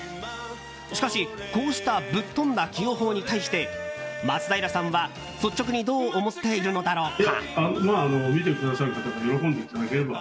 しかし、こうしたぶっ飛んだ起用法に関して松平さんは率直にどう思っているのだろうか。